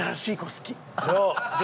そう！